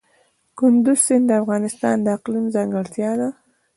کندز سیند د افغانستان د اقلیم ځانګړتیا ده.